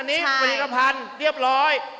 อันนี้มีกระพันธุ์เรียบร้อย